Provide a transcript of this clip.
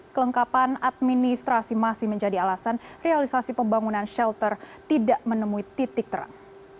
kelengkapan administrasi masih menjadi alasan realisasi pembangunan shelter tidak menemui titik terang